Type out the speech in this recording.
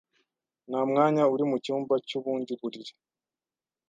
Nta mwanya uri mucyumba cy'ubundi buriri.